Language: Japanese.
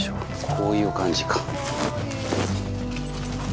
こういう感じか。